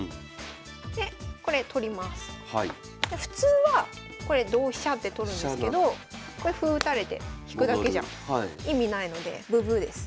普通はこれ同飛車って取るんですけどこれ歩打たれて引くだけじゃ意味ないのでブブーです。